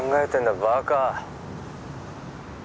バカ